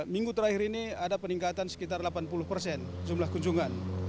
minggu terakhir ini ada peningkatan sekitar delapan puluh persen jumlah kunjungan